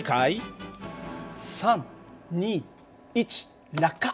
３２１落下！